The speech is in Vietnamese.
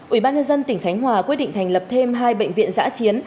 ủy ban nhân dân tỉnh khánh hòa quyết định thành lập thêm hai bệnh viện giã chiến